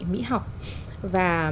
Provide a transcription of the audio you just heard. mỹ học và